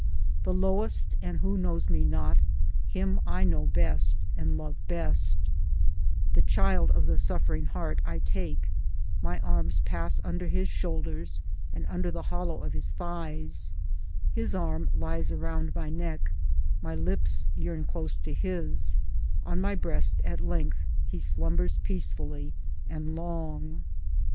The lowest and who knows me not, him I know best and love best; The child of the suffering heart I take; my arms pass under his shoulders and under the hollow of his thighs ; his arm lies around my neck, my lips yearn close to his — on my breast at length he slumbers peacefully and long.